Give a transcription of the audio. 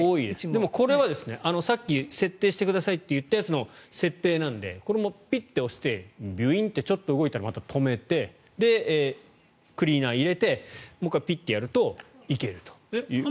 でもこれはさっき設定してくださいと言ったやつの設定なのでこれもピッて押してビュインッてちょっと動いたらまた止めて、クリーナーを入れてもう１回ピッてやるといけるという。